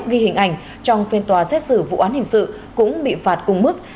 ghi hình ảnh trong phiên tòa xét xử vụ án hình sự cũng bị phạt cùng mức